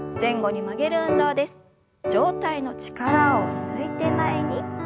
上体の力を抜いて前に。